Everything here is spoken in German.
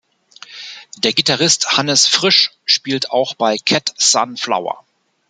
Der Gitarrist Hannes Frisch spielt auch bei Cat Sun Flower.